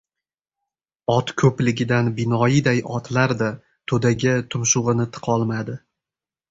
Ot ko‘pligidan binoyiday otlar-da to‘daga tumshug‘ini tiqolmadi.